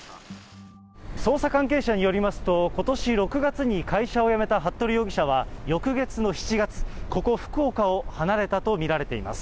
捜査関係者によりますと、ことし６月に会社を辞めた服部容疑者は、翌月の７月、ここ、福岡を離れたと見られています。